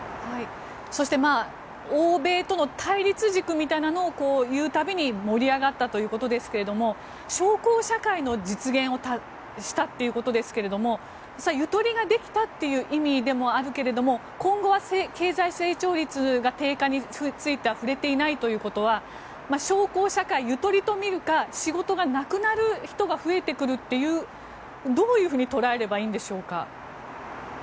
そして、欧米との対立軸みたいなのを言う度に盛り上がったということですが小康社会の実現をしたということですがゆとりができたという意味でもあるけれども今後は経済成長率が低下することについては触れていないということは小康社会をゆとりと見るか仕事がなくなる人が増えてくるというどういうふうに捉えればいいんでしょうか？